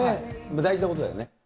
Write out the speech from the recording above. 大事なことだよね。